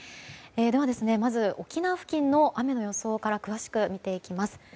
まず沖縄付近の雨の予想から詳しく見ていきます。